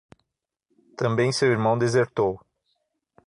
Também seu irmão desertou.